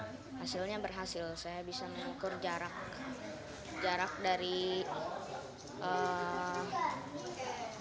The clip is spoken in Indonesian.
hasilnya berhasil saya bisa mengukur jarak dari